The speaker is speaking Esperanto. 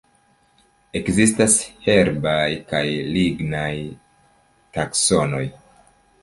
Ekzistas herbaj kaj lignaj taksonoj.